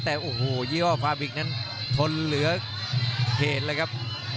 แต่โอ้โหยี่ห้อฟาบิกนั้นทนเหลือเหตุเลยครับ